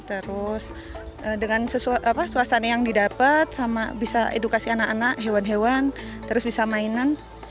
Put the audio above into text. terus dengan suasana yang didapat sama bisa edukasi anak anak hewan hewan terus bisa mainan